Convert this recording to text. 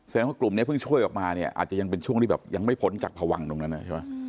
ว่ากลุ่มนี้เพิ่งช่วยออกมาเนี่ยอาจจะยังเป็นช่วงที่แบบยังไม่พ้นจากพวังตรงนั้นใช่ไหม